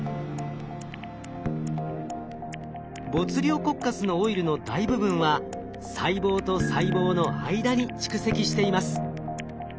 ボツリオコッカスのオイルの大部分は細胞と細胞の間に蓄積しています。